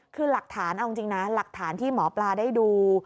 คือหลักฐานเอาจริงนะหลักฐานที่หมอปลาได้ดู